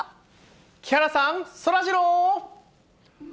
木原さん、そらジロー。